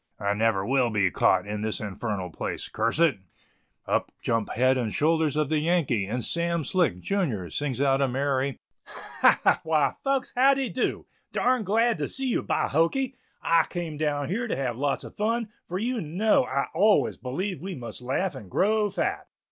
"I never will be caught in this infernal place, curse it;" up jump head and shoulders of the Yankee, and Sam Slick, junior, sings out a merry "Ha! ha! why, folks, how de dew. Darn glad to see you, by hokey; I came down here to have lots of fun, for you know I always believe we must laugh and grow fat."